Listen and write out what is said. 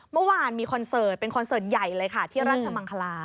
เมื่อวานมีคอนเสิร์ตเป็นคอนเสิร์ตใหญ่เลยค่ะที่ราชมังคลา